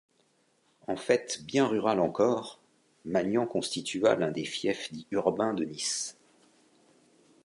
En fait bien rural encore, Magnan constitua l'un des fiefs dits urbains de Nice.